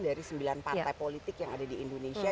dari sembilan partai politik yang ada di indonesia